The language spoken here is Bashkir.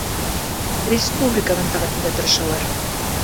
Республика мәнфәғәтендә тырышалар.